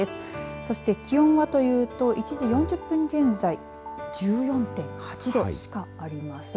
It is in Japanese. そして気温はというと１時４０分現在１４．８度しかありません。